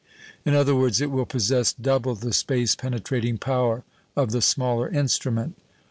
In other words, it will possess double the space penetrating power of the smaller instrument.